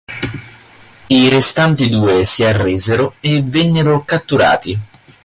I restanti due si arresero e vennero catturati.